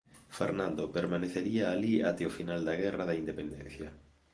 Fernando permanecería alí até o final da Guerra da Independencia.